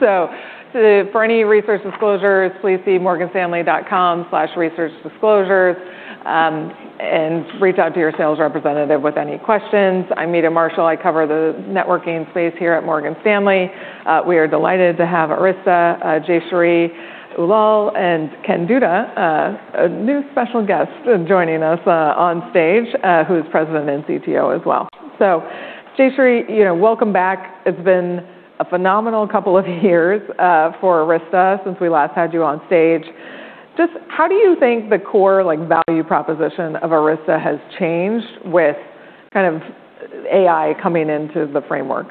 To, for any research disclosures, please see morganstanley.com/researchdisclosures. Reach out to your sales representative with any questions. I'm Meta Marshall. I cover the networking space here at Morgan Stanley. We are delighted to have Arista, Jayshree Ullal, and Ken Duda, a new special guest joining us on stage, who's President, and CTO as well. Jayshree, you know, welcome back. It's been a phenomenal couple of years for Arista since we last had you on stage. Just how do you think the core, like, value proposition of Arista has changed with kind of AI coming into the framework?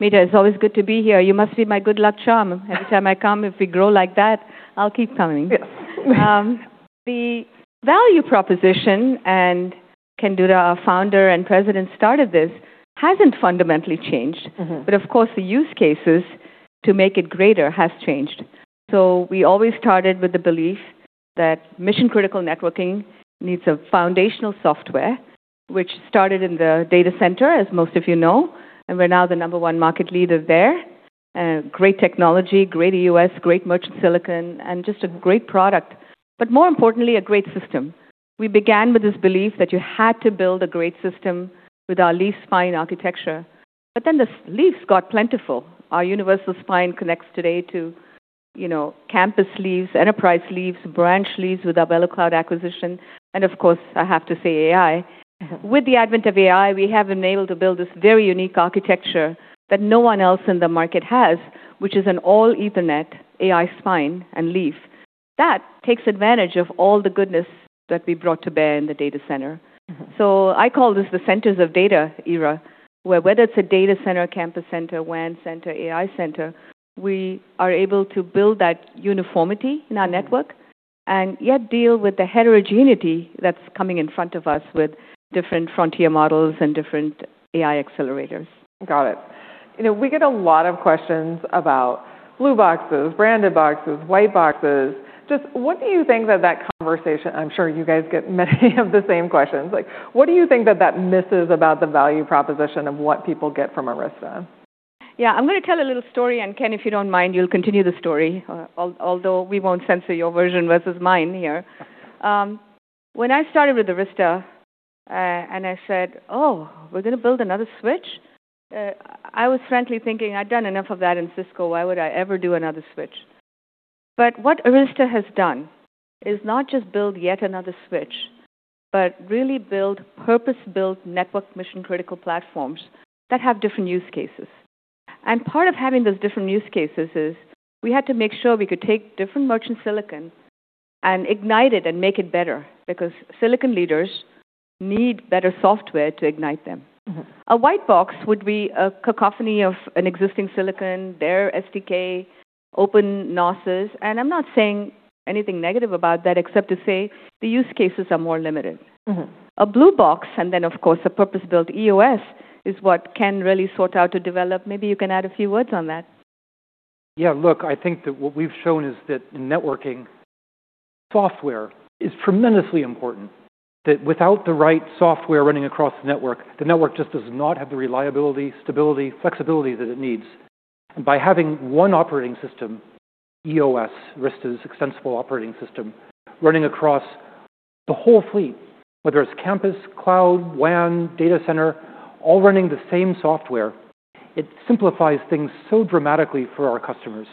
Meta, it's always good to be here. You must be my good luck charm. Every time I come, if we grow like that, I'll keep coming. Yes. The value proposition, and Ken Duda, our Founder and President, started this, hasn't fundamentally changed. Mm-hmm. Of course, the use cases to make it greater has changed. We always started with the belief that mission-critical networking needs a foundational software, which started in the data center, as most of you know, and we're now the number one market leader there. Great technology, great EOS, great merchant silicon, and just a great product, but more importantly, a great system. We began with this belief that you had to build a great system with our leaf-spine architecture. The leaves got plentiful. Our universal spine connects today to, you know, campus leaves, enterprise leaves, branch leaves with our VeloCloud acquisition, and of course, I have to say AI. Mm-hmm. With the advent of AI, we have been able to build this very unique architecture that no one else in the market has, which is an all Ethernet AI spine and leaf. That takes advantage of all the goodness that we brought to bear in the data center. Mm-hmm. I call this the centers of data era, where whether it's a data center, campus center, WAN center, AI center, we are able to build that uniformity in our network and yet deal with the heterogeneity that's coming in front of us with different frontier models and different AI accelerators. Got it. You know, we get a lot of questions about blue boxes, branded boxes, white boxes. Just what do you think that conversation, I'm sure you guys get many of the same questions, like, what do you think that misses about the value proposition of what people get from Arista? Yeah. I'm gonna tell a little story. Ken, if you don't mind, you'll continue the story, although we won't censor your version versus mine here. When I started with Arista, I said, "Oh, we're gonna build another switch?" I was frankly thinking I'd done enough of that in Cisco. Why would I ever do another switch? What Arista has done is not just build yet another switch, but really build purpose-built network mission-critical platforms that have different use cases. Part of having those different use cases is we had to make sure we could take different Merchant Silicon and ignite it and make it better because silicon leaders need better software to ignite them. Mm-hmm. A white box would be a cacophony of an existing silicon, their SDK, open NOSes, and I'm not saying anything negative about that except to say the use cases are more limited. Mm-hmm. A blue box, and then of course a purpose-built EOS, is what Ken really sought out to develop. Maybe you can add a few words on that. Yeah. Look, I think that what we've shown is that in networking, software is tremendously important, that without the right software running across the network, the network just does not have the reliability, stability, flexibility that it needs. By having one operating system, EOS, Arista's extensible operating system, running across the whole fleet, whether it's campus, cloud, WAN, data center, all running the same software, it simplifies things so dramatically for our customers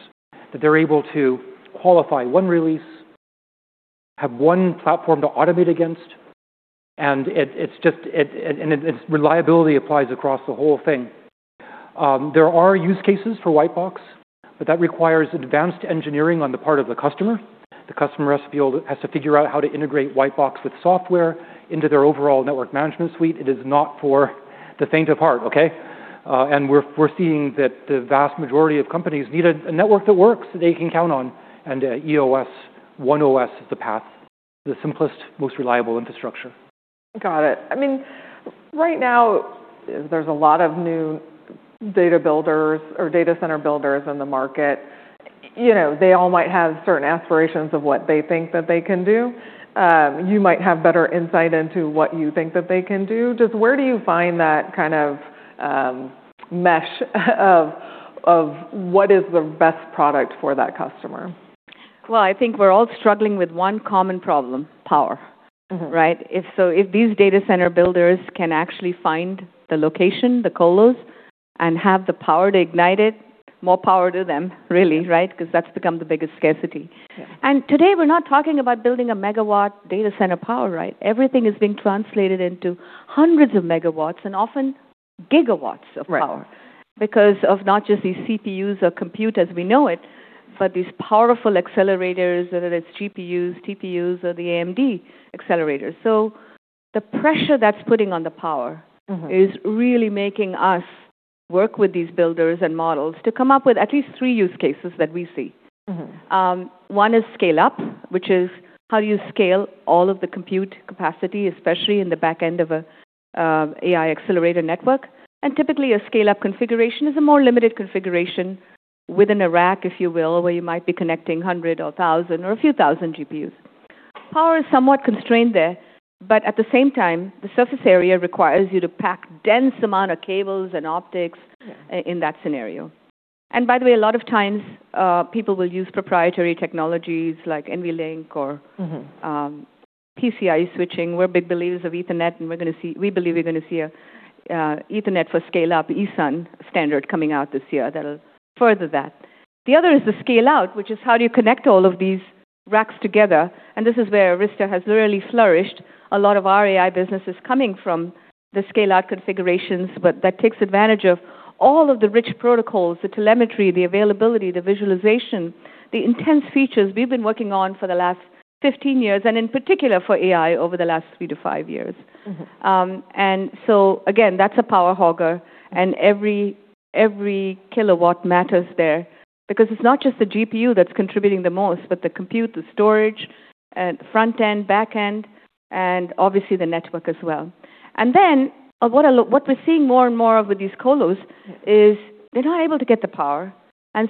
that they're able to qualify one release, have one platform to automate against, and it's just, and its reliability applies across the whole thing. There are use cases for white box, but that requires advanced engineering on the part of the customer. The customer has to figure out how to integrate white box with software into their overall network management suite. It is not for the faint of heart, okay? We're seeing that the vast majority of companies need a network that works, they can count on, and EOS, one OS is the path to the simplest, most reliable infrastructure. Got it. I mean, right now there's a lot of new data builders or data center builders in the market. You know, they all might have certain aspirations of what they think that they can do. You might have better insight into what you think that they can do. Just where do you find that kind of, mesh of what is the best product for that customer? Well, I think we're all struggling with one common problem, power. Mm-hmm. Right? If so, if these data center builders can actually find the location, the colos, and have the power to ignite it, more power to them really, right? That's become the biggest scarcity. Yeah. Today we're not talking about building a megawatt data center power, right? Everything is being translated into hundreds of megawatts and often gigawatts of power. Right. Because of not just these CPUs or compute as we know it, but these powerful accelerators, whether it's GPUs, TPUs or the AMD accelerators. The pressure that's putting on the power. Mm-hmm... is really making us work with these builders and models to come up with at least 3 use cases that we see. Mm-hmm. One is scale up, which is how you scale all of the compute capacity, especially in the back end of an AI accelerator network. Typically a scale-up configuration is a more limited configuration within a rack, if you will, where you might be connecting 100 or 1,000 or a few thousand GPUs. Power is somewhat constrained there. At the same time, the surface area requires you to pack dense amount of cables and optics. Yeah. In that scenario. By the way, a lot of times, people will use proprietary technologies like NVLink. Mm-hmm. PCIe switching. We're big believers of Ethernet, and we believe we're gonna see a Ethernet for scale-up, ESUN standard coming out this year that'll further that. The other is the scale-out, which is how do you connect all of these racks together, and this is where Arista has really flourished. A lot of our AI business is coming from the scale-out configurations, but that takes advantage of all of the rich protocols, the telemetry, the availability, the visualization, the intense features we've been working on for the last 15 years, and in particular for AI over the last three to five years. Mm-hmm. Again, that's a power hogger, and every kW matters there because it's not just the GPU that's contributing the most, but the compute, the storage, front end, back end, and obviously the network as well. What we're seeing more and more of with these colos is they're not able to get the power, and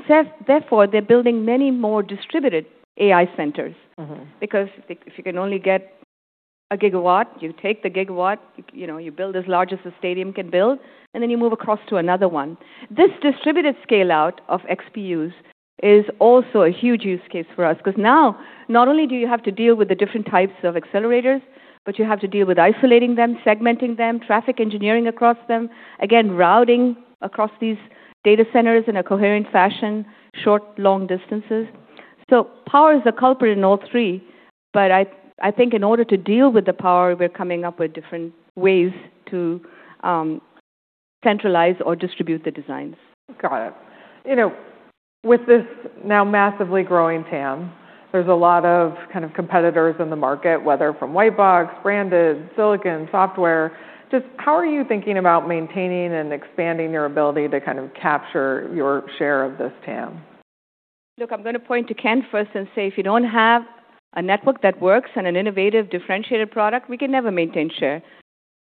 therefore, they're building many more distributed AI centers. Mm-hmm. Because if you can only get 1 GW, you take the gigawatt, you know, you build as large as a stadium can build, and then you move across to another one. This distributed scale-out of XPUs is also a huge use case for us because now not only do you have to deal with the different types of accelerators, but you have to deal with isolating them, segmenting them, Traffic Engineering across them. Again, routing across these data centers in a coherent fashion, short, long distances. Power is a culprit in all three, but I think in order to deal with the power, we're coming up with different ways to centralize or distribute the designs. Got it. You know, with this now massively growing TAM, there's a lot of kind of competitors in the market, whether from white box, branded, silicon, software. Just how are you thinking about maintaining and expanding your ability to kind of capture your share of this TAM? Look, I'm gonna point to Ken first and say if you don't have a network that works, and an innovative, differentiated product, we can never maintain share.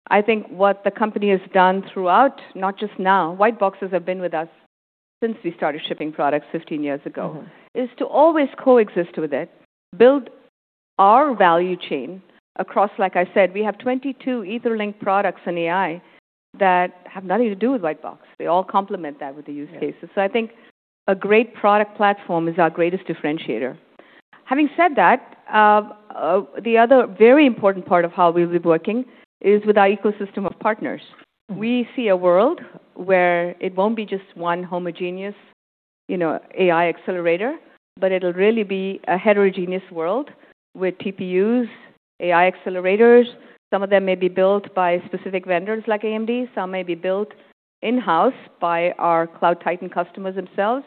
I think what the company has done throughout, not just now, white boxes have been with us since we started shipping products 15 years ago. Mm-hmm. -is to always coexist with it, build our value chain across... Like I said, we have 22 Etherlink products in AI that have nothing to do with white box. They all complement that with the use cases. Yeah. I think a great product platform is our greatest differentiator. Having said that, the other very important part of how we'll be working is with our ecosystem of partners. Mm-hmm. We see a world where it won't be just one homogeneous, you know, AI accelerator, but it'll really be a heterogeneous world with TPUs, AI accelerators. Some of them may be built by specific vendors like AMD. Some may be built in-house by our cloud titan customers themselves.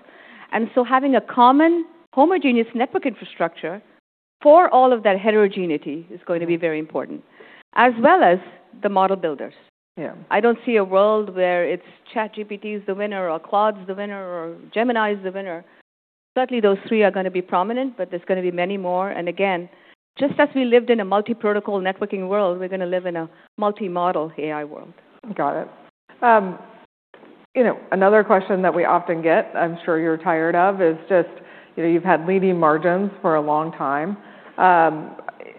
Having a common homogeneous network infrastructure for all of that heterogeneity is going to be very important, as well as the model builders. Yeah. I don't see a world where it's ChatGPT is the winner or Claude's the winner or Gemini is the winner. Certainly, those three are going to be prominent, but there's going to be many more. Again, just as we lived in a multi-protocol networking world, we're going to live in a multi-model AI world. Got it. You know, another question that we often get, I'm sure you're tired of, is just, you know, you've had leading margins for a long time.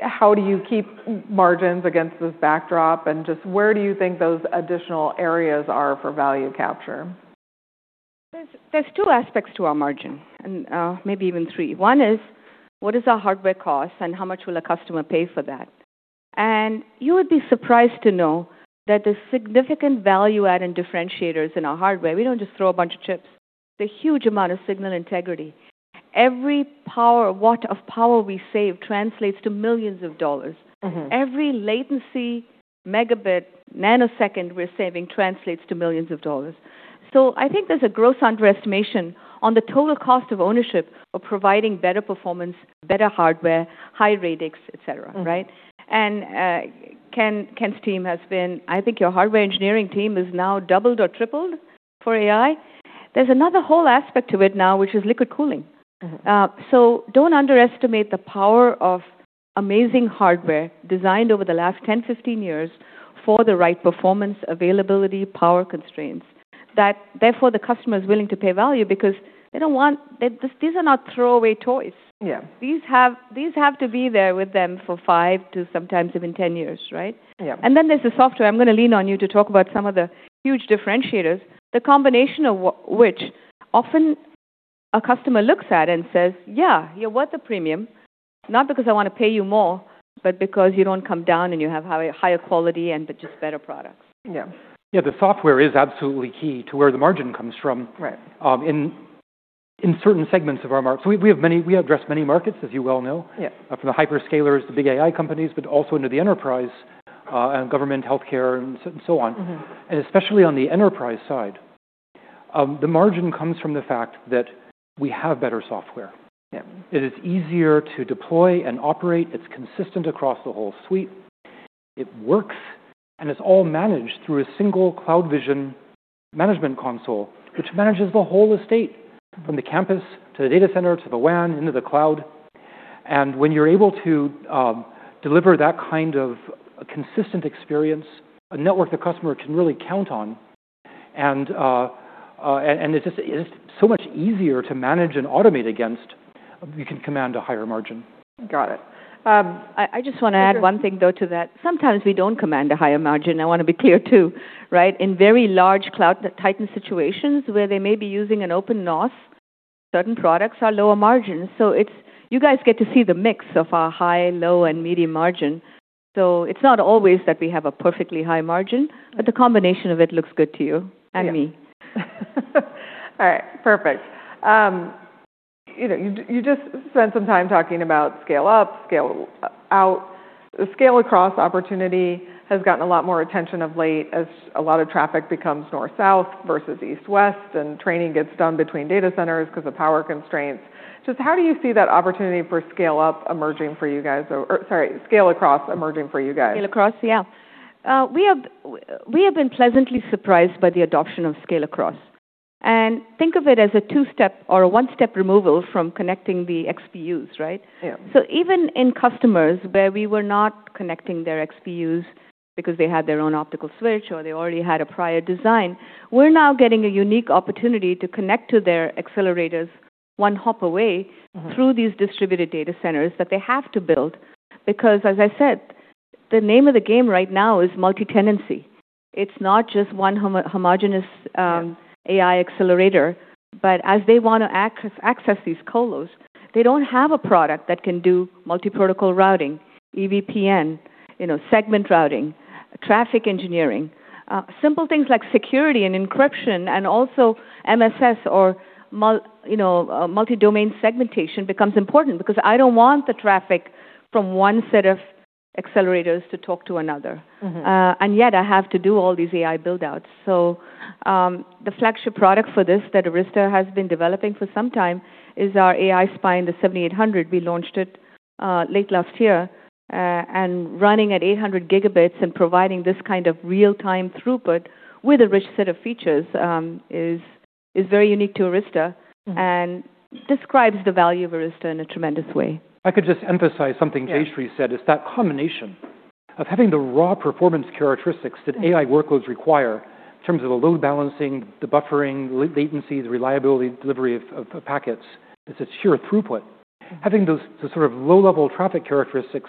How do you keep margins against this backdrop, and just where do you think those additional areas are for value capture? There's two aspects to our margin and maybe even three. One is what is our hardware cost and how much will a customer pay for that? You would be surprised to know that there's significant value add and differentiators in our hardware. We don't just throw a bunch of chips. There's a huge amount of signal integrity. Every power, watt of power we save translates to millions of dollars. Mm-hmm. Every latency, megabit, nanosecond we're saving translates to millions of dollars. I think there's a gross underestimation on the total cost of ownership of providing better performance, better hardware, high radix, et cetera, right? Mm-hmm. Ken's team I think your hardware engineering team is now doubled or tripled for AI. There's another whole aspect to it now, which is liquid cooling. Mm-hmm. Don't underestimate the power of amazing hardware designed over the last 10, 15 years for the right performance, availability, power constraints that therefore the customer is willing to pay value because they don't want. These are not throwaway toys. Yeah. These have to be there with them for five to sometimes even 10 years, right? Yeah. Then there's the software. I'm gonna lean on you to talk about some of the huge differentiators, the combination of which often a customer looks at and says, "Yeah, you're worth the premium, not because I want to pay you more, but because you don't come down, and you have higher quality and the just better products. Yeah. The software is absolutely key to where the margin comes from. Right. in certain segments of our market. We have many we address many markets, as you well know. Yeah. From the hyperscalers to big AI companies, but also into the enterprise, and government, healthcare, and so on. Mm-hmm. Especially on the enterprise side, the margin comes from the fact that we have better software. Yeah. It is easier to deploy and operate. It's consistent across the whole suite. It works, it's all managed through a single CloudVision management console, which manages the whole estate, from the campus to the data center to the WAN into the cloud. When you're able to deliver that kind of consistent experience, a network the customer can really count on. It's just, it's so much easier to manage and automate against. You can command a higher margin. Got it. I just wanna add one thing though to that. Sometimes we don't command a higher margin. I wanna be clear too, right? In very large cloud tighten situations where they may be using an open NOS, certain products are lower margin. You guys get to see the mix of our high, low, and medium margin. It's not always that we have a perfectly high margin, but the combination of it looks good to you. Yeah. Me. All right. Perfect. you know, you just spent some time talking about scale up, scale out. Scale across opportunity has gotten a lot more attention of late as a lot of traffic becomes north-south versus east-west, and training gets done between data centers 'cause of power constraints. Just how do you see that opportunity for scale up emerging for you guys? Or sorry, scale across emerging for you guys. Scale across? Yeah. We have been pleasantly surprised by the adoption of scale across. Think of it as a two-step or a one-step removal from connecting the XPUs, right? Yeah. Even in customers where we were not connecting their XPUs because they had their own optical switch or they already had a prior design, we're now getting a unique opportunity to connect to their accelerators one hop away. Mm-hmm. Through these distributed data centers that they have to build because, as I said, the name of the game right now is multi-tenancy. It's not just one homogenous. Yeah AI accelerator, as they wanna access these colos, they don't have a product that can do multi-protocol routing, EVPN, you know, segment routing, traffic engineering, simple things like security and encryption, and also MSS or multi-domain segmentation becomes important because I don't want the traffic from one set of accelerators to talk to another. Mm-hmm. I have to do all these AI build-outs. The flagship product for this that Arista has been developing for some time is our AI Spine, the 7800. We launched it late last year. Running at 800 gigabits and providing this kind of real-time throughput with a rich set of features is very unique to Arista. Mm-hmm... and describes the value of Arista in a tremendous way. I could just emphasize something Jayshree said. Yeah. It's that combination of having the raw performance characteristics that AI workloads require in terms of the load balancing, the buffering, latencies, reliability, delivery of packets. It's a sheer throughput. Mm-hmm. Having those sort of low-level traffic characteristics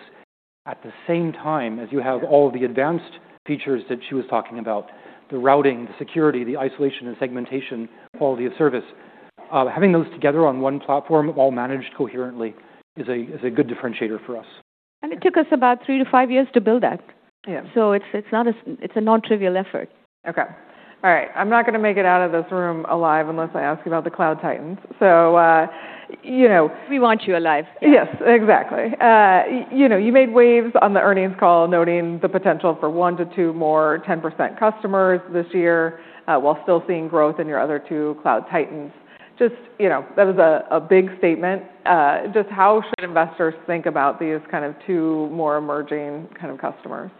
at the same time as you have all the advanced features that she was talking about, the routing, the security, the isolation and segmentation, Quality of Service, having those together on one platform all managed coherently is a good differentiator for us. Yeah. It took us about 3 to 5 years to build that. Yeah. It's a non-trivial effort. Okay. All right. I'm not gonna make it out of this room alive unless I ask about the cloud titans. You know. We want you alive. Yeah. Yes, exactly. You know, you made waves on the earnings call noting the potential for one to two more 10% customers this year, while still seeing growth in your other two cloud titans. Just, you know, that is a big statement. Just how should investors think about these kind of two more emerging kind of customers?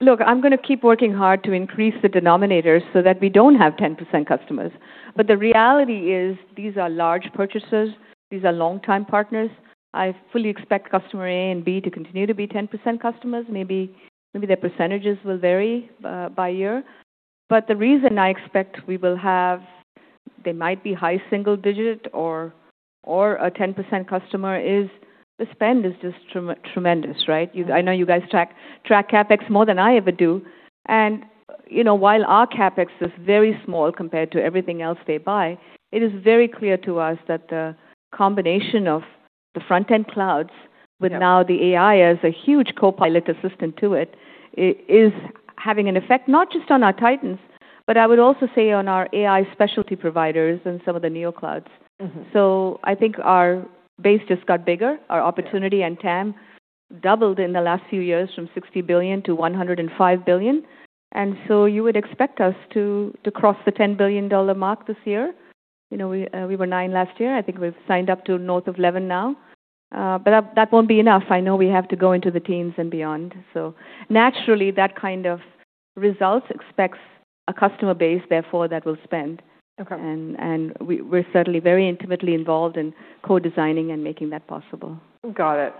Look, I'm gonna keep working hard to increase the denominators so that we don't have 10% customers. The reality is these are large purchasers. These are longtime partners. I fully expect customer A and B to continue to be 10% customers. Maybe, maybe their percentages will vary by year. The reason I expect we will have. They might be high single digit or a 10% customer is the spend is just tremendous, right? I know you guys track CapEx more than I ever do. You know, while our CapEx is very small compared to everything else they buy, it is very clear to us that the combination of the front end clouds- Yeah... now the AI as a huge copilot assistant to it, is having an effect not just on our titans, but I would also say on our AI specialty providers and some of the neo clouds. Mm-hmm. I think our base just got bigger. Yeah. Our opportunity and TAM doubled in the last few years from $60 billion to $105 billion. You would expect us to cross the $10 billion mark this year. You know, we were $9 billion last year. I think we've signed up to north of $11 billion now. That won't be enough. I know we have to go into the teens and beyond. Naturally, that kind of results expects a customer base therefore that will spend. Okay. We're certainly very intimately involved in co-designing and making that possible. Got it.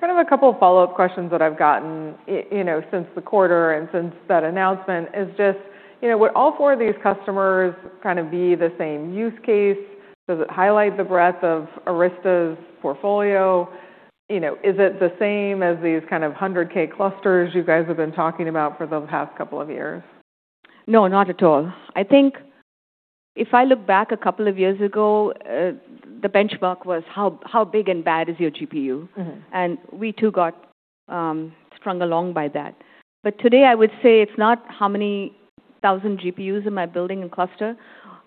Kind of a couple follow-up questions that I've gotten you know, since the quarter and since that announcement is just, you know, would all four of these customers kind of be the same use case? Does it highlight the breadth of Arista's portfolio? You know, is it the same as these kind of 100K clusters you guys have been talking about for the past couple of years? No, not at all. I think if I look back two years ago, the benchmark was how big and bad is your GPU? Mm-hmm. We too got strung along by that. Today, I would say it's not how many 1,000 GPUs am I building in cluster,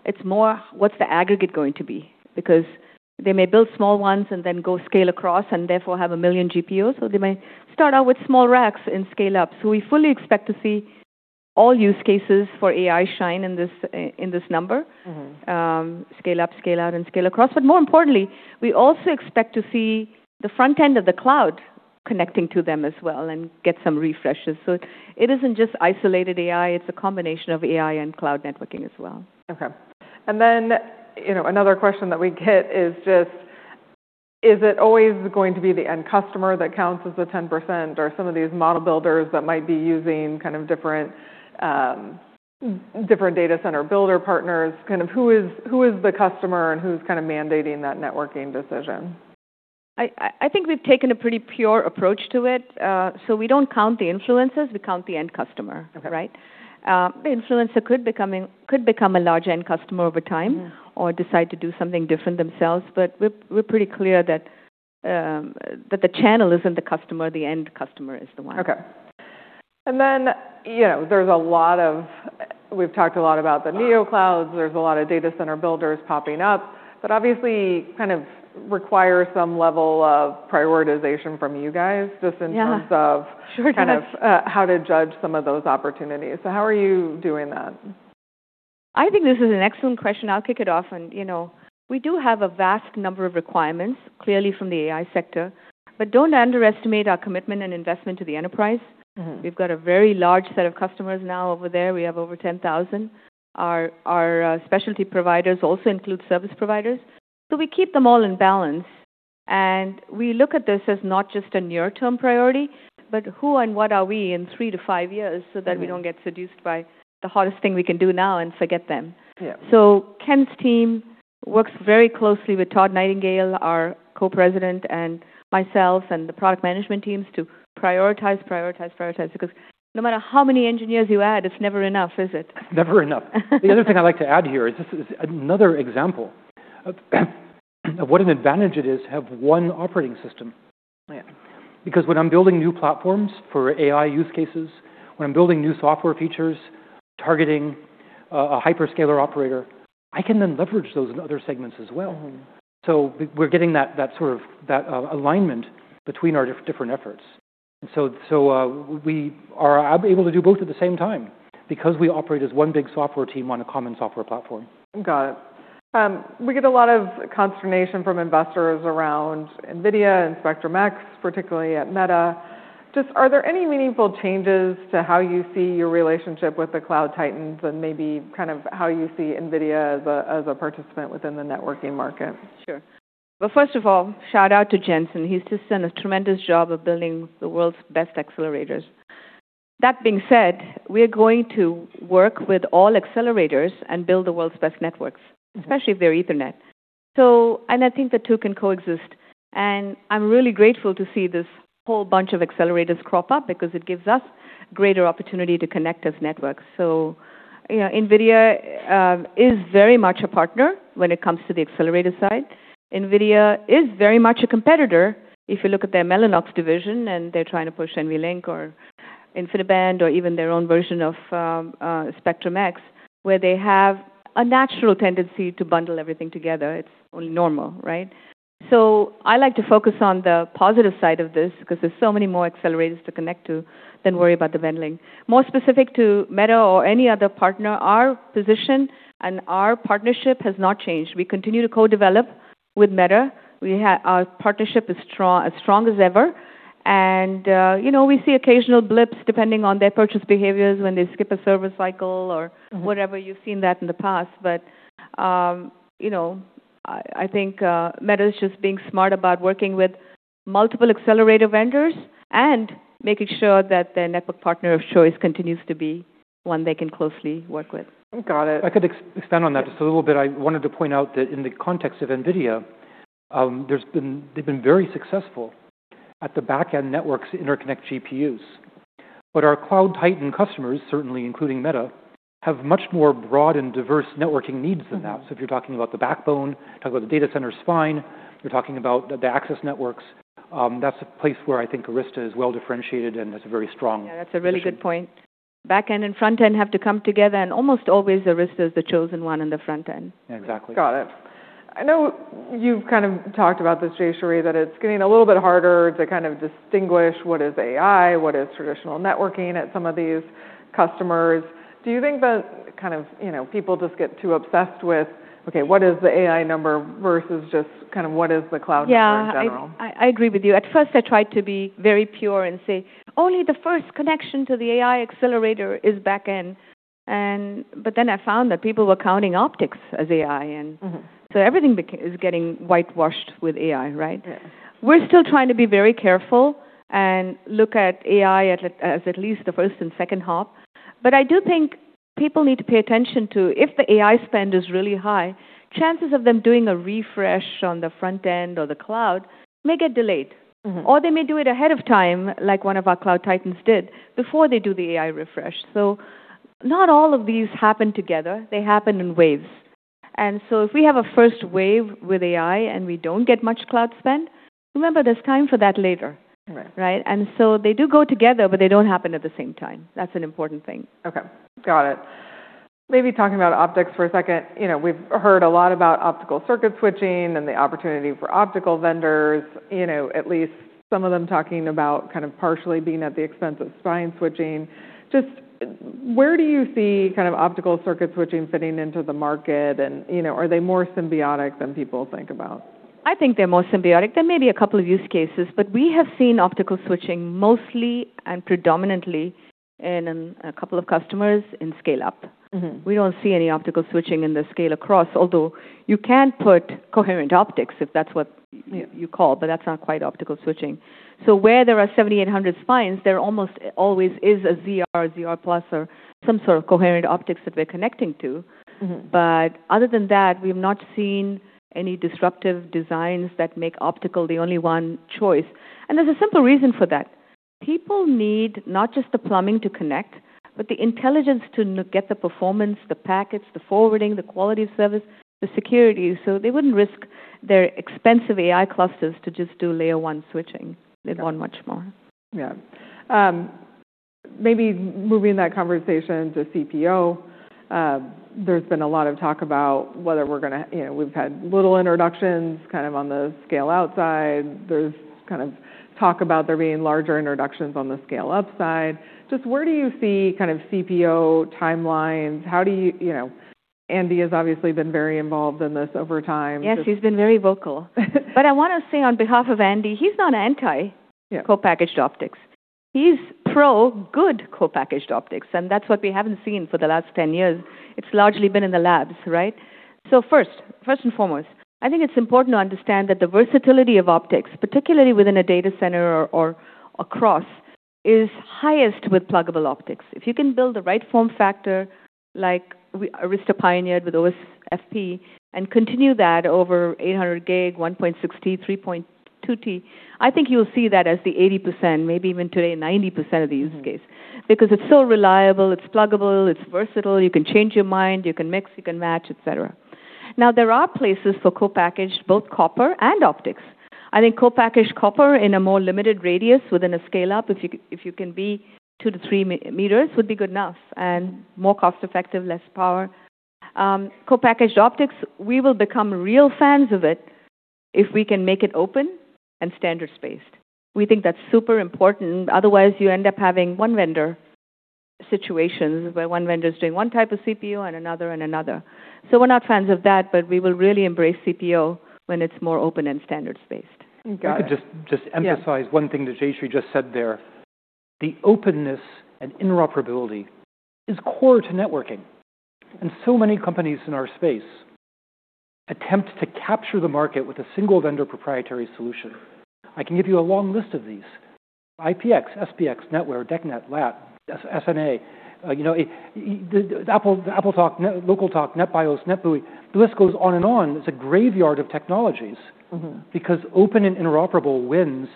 it's more what's the aggregate going to be? They may build small ones and then go scale across and therefore have 1 million GPUs, or they may start out with small racks and scale up. We fully expect to see all use cases for AI shine in this numbertwo Mm-hmm. Scale up, scale out, and scale across. More importantly, we also expect to see the front end of the cloud connecting to them as well and get some refreshes. It isn't just isolated AI, it's a combination of AI and cloud networking as well. Okay. You know, another question that we get is just is it always going to be the end customer that counts as the 10% or some of these model builders that might be using kind of different data center builder partners? Kind of who is the customer and who's kind of mandating that networking decision? I think we've taken a pretty pure approach to it. We don't count the influencers, we count the end customer. Okay. Right? The influencer could become a large end customer over time. Yeah. Or decide to do something different themselves. We're pretty clear that the channel isn't the customer, the end customer is the one. Okay. You know, We've talked a lot about the neo clouds. There's a lot of data center builders popping up, obviously kind of require some level of prioritization from you guys just in terms of. Yeah. Sure. kind of, how to judge some of those opportunities. How are you doing that? I think this is an excellent question. I'll kick it off. You know, we do have a vast number of requirements clearly from the AI sector. Don't underestimate our commitment and investment to the enterprise. Mm-hmm. We've got a very large set of customers now over there. We have over 10,000. Our specialty providers also include service providers. We keep them all in balance, and we look at this as not just a near-term priority, but who and what are we in three to five years so that we don't get seduced by the hottest thing we can do now and forget them. Yeah. Ken's team works very closely with Todd Nightingale, our co-president, and myself and the product management teams to prioritize, prioritize. Because no matter how many engineers you add, it's never enough, is it? Never enough. The other thing I'd like to add here is this is another example of what an advantage it is to have one operating system. Yeah. When I'm building new platforms for AI use cases, when I'm building new software features targeting a hyperscaler operator, I can then leverage those in other segments as well. Mm-hmm. We're getting that sort of, that alignment between our different efforts. We are able to do both at the same time because we operate as one big software team on a common software platform. Got it. We get a lot of consternation from investors around Nvidia and Spectrum-X, particularly at Meta. Just are there any meaningful changes to how you see your relationship with the cloud titans and maybe kind of how you see Nvidia as a, as a participant within the networking market? Sure. Well, first of all, shout out to Jensen. He's just done a tremendous job of building the world's best accelerators. That being said, we are going to work with all accelerators and build the world's best networks. Mm-hmm. Especially if they're Ethernet. I think the two can coexist, and I'm really grateful to see this whole bunch of accelerators crop up because it gives us greater opportunity to connect as networks. You know, Nvidia is very much a partner when it comes to the accelerator side. Nvidia is very much a competitor if you look at their Mellanox division, and they're trying to push NVLink or InfiniBand or even their own version of Spectrum-X, where they have a natural tendency to bundle everything together. It's only normal, right? I like to focus on the positive side of this because there's so many more accelerators to connect to than worry about the vending. More specific to Meta or any other partner, our position and our partnership has not changed. We continue to co-develop with Meta. Our partnership is as strong as ever. You know, we see occasional blips depending on their purchase behaviors when they skip a service cycle or whatever. You've seen that in the past. You know, I think Meta is just being smart about working with multiple accelerator vendors and making sure that their network partner of choice continues to be one they can closely work with. Got it. I could expand on that just a little bit. I wanted to point out that in the context of Nvidia, they've been very successful at the backend networks interconnect GPUs. Our cloud titan customers, certainly including Meta, have much more broad and diverse networking needs than that. Mm-hmm. If you're talking about the backbone, talking about the data center spine, you're talking about the access networks, that's a place where I think Arista is well differentiated and has a very strong position. Yeah. That's a really good point. Backend and front end have to come together, and almost always Arista is the chosen one in the front end. Exactly. Got it. I know you've kind of talked about this, Jayshree, that it's getting a little bit harder to kind of distinguish what is AI, what is traditional networking at some of these customers. Do you think that kind of, you know, people just get too obsessed with, okay, what is the AI number versus just kind of what is the cloud number in general? Yeah. I agree with you. At first, I tried to be very pure and say, "Only the first connection to the AI accelerator is backend." I found that people were counting optics as AI. Mm-hmm. Everything is getting whitewashed with AI, right? Yeah. We're still trying to be very careful, and look at AI as at least the first and second hop. I do think people need to pay attention to if the AI spend is really high, chances of them doing a refresh on the front end or the cloud may get delayed. Mm-hmm. They may do it ahead of time, like one of our cloud titans did, before they do the AI refresh. Not all of these happen together. They happen in waves. If we have a first wave with AI and we don't get much cloud spend, remember, there's time for that later. Right. Right? They do go together, but they don't happen at the same time. That's an important thing. Okay. Got it. Maybe talking about optics for a second. You know, we've heard a lot about Optical Circuit Switching, and the opportunity for optical vendors. You know, at least some of them talking about kind of partially being at the expense of spine switching. Just where do you see kind of Optical Circuit Switching fitting into the market? You know, are they more symbiotic than people think about? I think they're more symbiotic. There may be a couple of use cases, but we have seen optical switching mostly and predominantly. Then a couple of customers in scale-up. Mm-hmm. We don't see any optical switching in the scale across, although you can put coherent optics if that's what you call, but that's not quite optical switching. Where there are 7800 spines, there almost always is a ZR+, or some sort of coherent optics that we're connecting to. Mm-hmm. Other than that, we've not seen any disruptive designs that make optical the only one choice. There's a simple reason for that. People need not just the plumbing to connect, but the intelligence to get the performance, the packets, the forwarding, the Quality of Service, the security. They wouldn't risk their expensive AI clusters to just do layer one switching. They want much more. Yeah. Maybe moving that conversation to CPO. There's been a lot of talk about whether we're gonna, you know, we've had little introductions kind of on the scale outside. There's kind of talk about there being larger introductions on the scale upside. Just where do you see kind of CPO timelines? How do you know... Andy has obviously been very involved in this over time. Yes, he's been very vocal. I wanna say on behalf of Andy, he's not anti- Yeah... co-packaged optics. He's pro good co-packaged optics. That's what we haven't seen for the last 10 years. It's largely been in the labs, right? First and foremost, I think it's important to understand that the versatility of optics, particularly within a data center or across, is highest with pluggable optics. If you can build the right form factor like Arista pioneered with OSFP and continue that over 800 gig, 1.6T, 3.2T, I think you'll see that as the 80%, maybe even today 90% of the use case. It's so reliable, it's pluggable, it's versatile, you can change your mind, you can mix, you can match, et cetera. Now, there are places for co-packaged, both copper and optics. I think co-packaged copper in a more limited radius within a scale-up, if you can be two to three meters, would be good enough and more cost-effective, less power. co-packaged optics, we will become real fans of it if we can make it open, and standards-based. We think that's super important. Otherwise, you end up having one vendor situations where one vendor is doing one type of CPO and another, and another. We're not fans of that, but we will really embrace CPO when it's more open and standards-based. Okay. If I could just emphasize-. Yeah... one thing that Jayshree just said there. The openness and interoperability is core to networking, and so many companies in our space attempt to capture the market with a single vendor proprietary solution. I can give you a long list of these. IPX, SPX, NetWare, DECnet, LAT, S-SNA, you know, Apple, AppleTalk, LocalTalk, NetBIOS, NetBEUI. The list goes on and on. It's a graveyard of technologies. Mm-hmm... because open and interoperable wins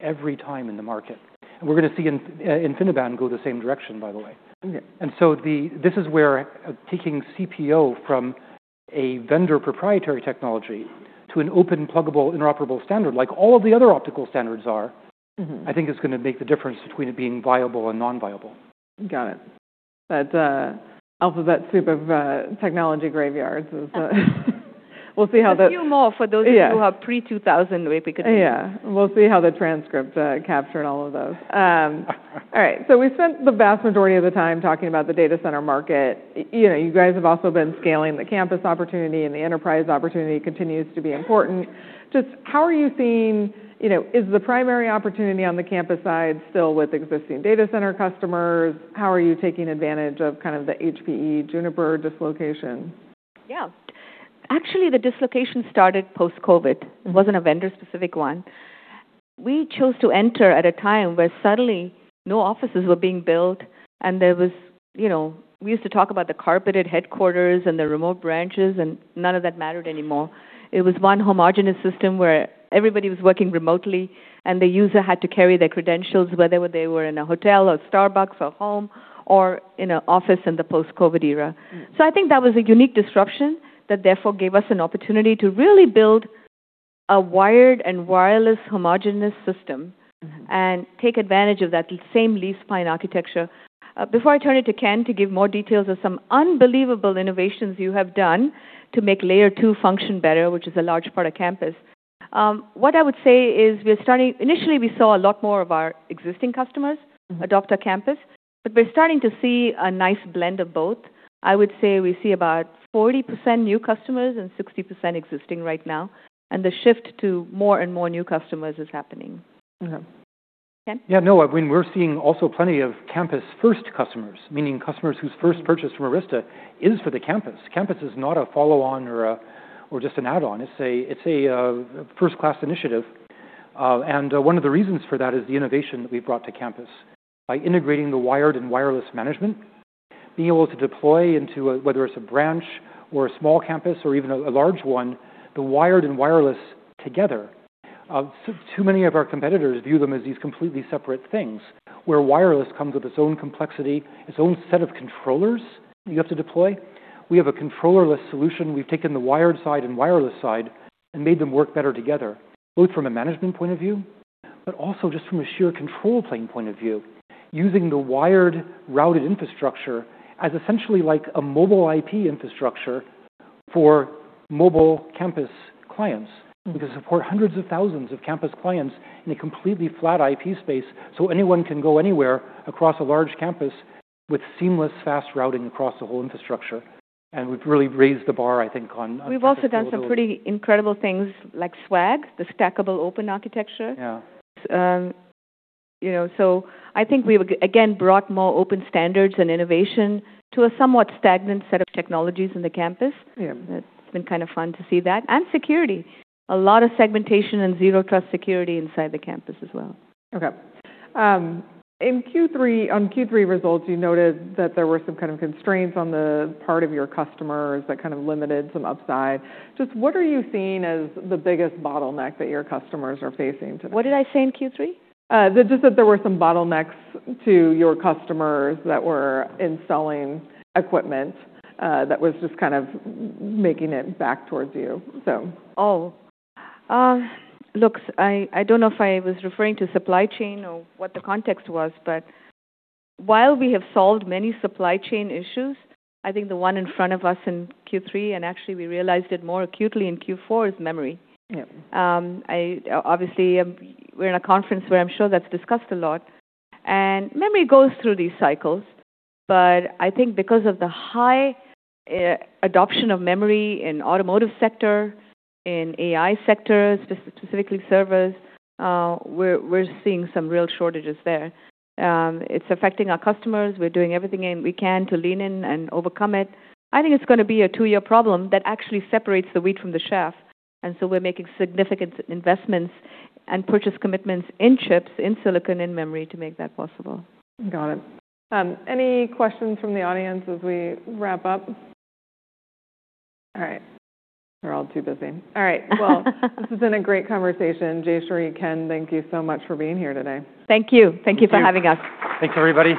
every time in the market. We're gonna see InfiniBand go the same direction, by the way. Okay. This is where taking CPO from a vendor proprietary technology to an open, pluggable, interoperable standard, like all of the other optical standards are. Mm-hmm I think is gonna make the difference between it being viable and non-viable. Got it. That alphabet soup of technology graveyards is we'll see how. There's a few more for those of you... Yeah... who are pre-2000 Yeah. We'll see how the transcript captured all of those. All right. We spent the vast majority of the time talking about the data center market. You know, you guys have also been scaling the campus opportunity, and the enterprise opportunity continues to be important. Just how are you seeing? You know, is the primary opportunity on the campus side still with existing data center customers? How are you taking advantage of kind of the HPE-Juniper dislocation? Yeah. Actually, the dislocation started post-COVID. It wasn't a vendor-specific one. We chose to enter at a time where suddenly no offices were being built, and there was, you know... We used to talk about the carpeted headquarters and the remote branches, and none of that mattered anymore. It was one homogenous system where everybody was working remotely, and the user had to carry their credentials, whether they were in a hotel or Starbucks or home or in an office in the post-COVID era. Mm. I think that was a unique disruption that therefore gave us an opportunity to really build a wired and wireless homogeneous system. Mm-hmm... and take advantage of that same leaf-spine architecture. Before I turn it to Ken to give more details of some unbelievable innovations you have done to make layer two function better, which is a large part of campus, what I would say is Initially, we saw a lot more of our existing customers- Mm-hmm... adopt our campus. We're starting to see a nice blend of both. I would say we see about 40% new customers and 60% existing right now. The shift to more and more new customers is happening. Okay. Ken? Yeah, no, I mean, we're seeing also plenty of campus-first customers, meaning customers whose first purchase from Arista is for the campus. Campus is not a follow-on or just an add-on. It's a first-class initiative, and one of the reasons for that is the innovation that we've brought to campus. By integrating the wired and wireless management, being able to deploy into a, whether it's a branch or a small campus or even a large one, the wired and wireless together. Too many of our competitors view them as these completely separate things, where wireless comes with its own complexity, its own set of controllers you have to deploy. We have a controller-less solution. We've taken the wired side and wireless side, and made them work better together, both from a management point of view, but also just from a sheer control plane point of view, using the wired routed infrastructure as essentially like a Mobile IP infrastructure for mobile campus clients. We can support hundreds of thousands of campus clients in a completely flat IP space, so anyone can go anywhere across a large campus with seamless fast routing across the whole infrastructure. We've really raised the bar, I think, on campus mobility. We've also done some pretty incredible things like SWAG, the Stackable Open Architecture. Yeah. You know, I think we've again, brought more open standards, and innovation to a somewhat stagnant set of technologies in the campus. Yeah. It's been kind of fun to see that. Security. A lot of segmentation and zero trust security inside the campus as well. Okay. in Q3 on Q3 results, you noted that there were some kind of constraints on the part of your customers that kind of limited some upside. Just what are you seeing as the biggest bottleneck that your customers are facing today? What did I say in Q3? that just that there were some bottlenecks to your customers that were installing equipment, that was just kind of making it back towards you. look, I don't know if I was referring to supply chain or what the context was, but while we have solved many supply chain issues, I think the one in front of us in Q3, and actually we realized it more acutely in Q4, is memory. Yeah. I, obviously, we're in a conference where I'm sure that's discussed a lot. Memory goes through these cycles, but I think because of the high, adoption of memory in automotive sector, in AI sectors, specifically servers, we're seeing some real shortages there. It's affecting our customers. We're doing everything in we can to lean in and overcome it. I think it's gonna be a two-year problem that actually separates the wheat from the chaff. We're making significant investments and purchase commitments in chips, in silicon, in memory to make that possible. Got it. Any questions from the audience as we wrap up? All right. They're all too busy. All right. This has been a great conversation. Jayshree, Ken, thank you so much for being here today. Thank you. Thank you. Thank you for having us. Thanks, everybody.